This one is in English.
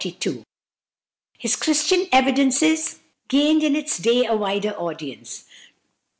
His "Christian Evidences" gained in its day a wider audience.